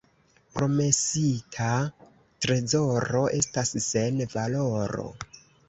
Promesita trezoro estas sen valoro.